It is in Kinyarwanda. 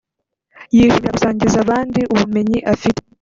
yishimira gusangiza abandi ubumenyi afite